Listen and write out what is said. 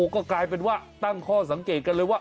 ก็กลายเป็นว่าตั้งข้อสังเกตกันเลยว่า